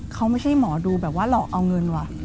เขาไม่ใช่หมอดูแบบว่าหลอกเอาเงินว่ะ